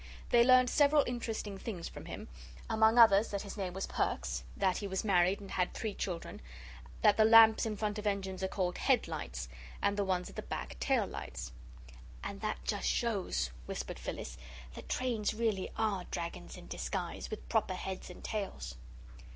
They learned several interesting things from him among others that his name was Perks, that he was married and had three children, that the lamps in front of engines are called head lights and the ones at the back tail lights. "And that just shows," whispered Phyllis, "that trains really ARE dragons in disguise, with proper heads and tails."